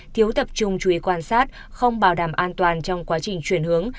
thiếu tập trung chú ý quan sát không bảo đảm an toàn trong quá trình chuyển hướng